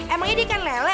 emangnya dia kan lele